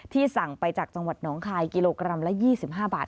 สั่งไปจากจังหวัดหนองคายกิโลกรัมละ๒๕บาท